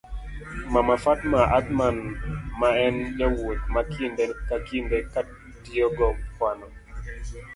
mama Fatma Athman ma en jawuoth ma kinde ka kinde katiyogi pawno